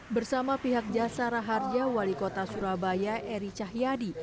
bersama pihak jasara harja wali kota surabaya eri cahyadi